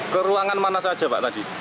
ke ruangan mana saja pak tadi